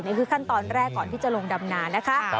นี่คือขั้นตอนแรกก่อนที่จะลงดำนานะคะ